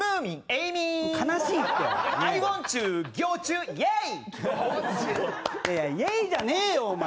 イエイじゃねえよ！お前。